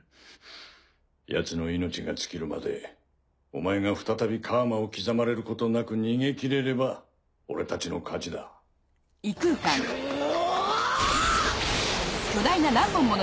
ヤツの命が尽きるまでお前が再び楔を刻まれることなく逃げ切れれば俺たちの勝ちだ。うお！！